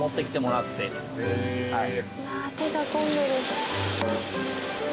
うわあ手が込んでる。